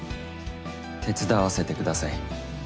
手伝わせてください。